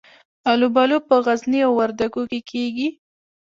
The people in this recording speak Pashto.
الوبالو په غزني او وردګو کې کیږي.